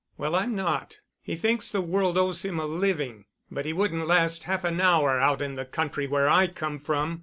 "Well, I'm not. He thinks the world owes him a living. But he wouldn't last half an hour out in the country where I come from.